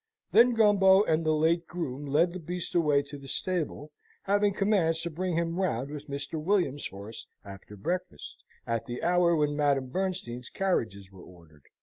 Then Gumbo and the late groom led the beast away to the stable, having commands to bring him round with Mr. William's horse after breakfast, at the hour when Madam Bernstein's carriages were ordered.